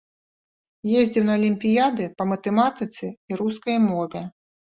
Ездзіў на алімпіяды па матэматыцы і рускай мове.